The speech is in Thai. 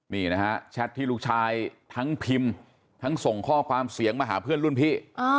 นี่นะฮะแชทที่ลูกชายทั้งพิมพ์ทั้งส่งข้อความเสียงมาหาเพื่อนรุ่นพี่